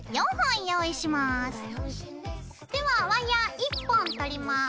ではワイヤー１本取ります。